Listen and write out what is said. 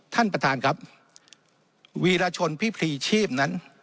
ท่านประธานครับวีรชนพิพรีชีพนั้น